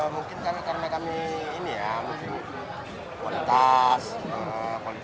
mungkin kan karena kami ini ya mungkin kualitas